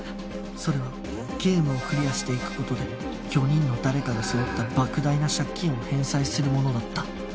それはゲームをクリアしていく事で４人の誰かが背負った莫大な借金を返済するものだった